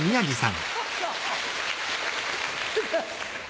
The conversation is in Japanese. ハハハ！